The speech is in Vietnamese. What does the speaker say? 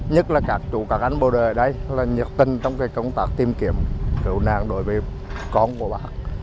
nhất là các chủ các anh bộ đời ở đây là nhiệt tình trong công tác tìm kiếm cứu nạn đối với con của bác